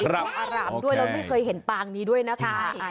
อารามด้วยแล้วไม่เคยเห็นปางนี้ด้วยนะคะ